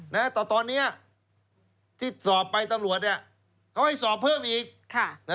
แต่ตอนนี้ที่สอบไปตลอดเขาให้สอบเพิ่มอีก